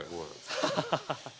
ハハハハハ。